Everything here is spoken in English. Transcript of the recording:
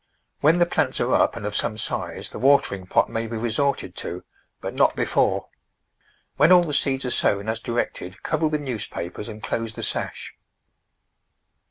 When the plants are up and of some size the watering pot may be resorted to, but not before. When all the seeds are sown as directed cover with newspapers and close the sash.